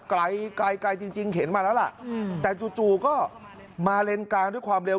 ไกลไกลจริงเข็นมาแล้วล่ะแต่จู่ก็มาเลนกลางด้วยความเร็ว